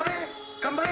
頑張れ！